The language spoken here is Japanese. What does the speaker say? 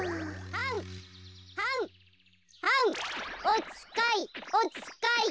おつかいおつかい。